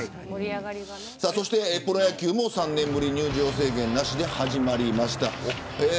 そしてプロ野球も３年ぶりに入場制限なしで始まりました。